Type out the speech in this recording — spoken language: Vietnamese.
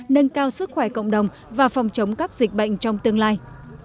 nâng cao sức khỏe cộng đồng và phòng chống các dịch bệnh trong tương lai